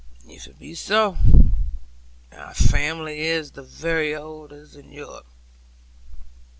'If it be so, thy family is the very oldest in Europe.